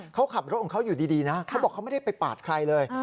เขาขับรถของเขาอยู่ดีนะเขาบอกเขาไม่ได้ไปปาดใครเลย